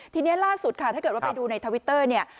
ทีนี้ล่าสุดค่ะถ้าเกิดว่าไปดูในทวิตเตอร์เนี่ย